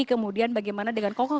kemudian bagaimana dengan koko